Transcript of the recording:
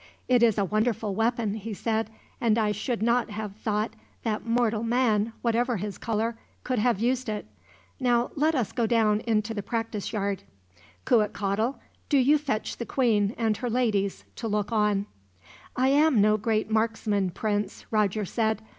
"It is a wonderful weapon," he said, "and I should not have thought that mortal man, whatever his color, could have used it. Now, let us go down into the practice yard. "Cuitcatl, do you fetch the queen and her ladies, to look on." "I am no great marksman, Prince," Roger said.